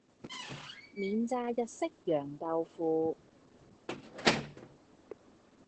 免炸日式揚豆腐